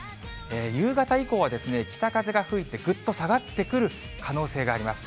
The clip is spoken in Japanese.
夕方以降は北風が吹いてぐっと下がってくる可能性があります。